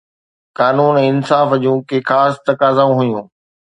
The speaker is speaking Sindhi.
قانون ۽ انصاف جون ڪي خاص تقاضائون هيون.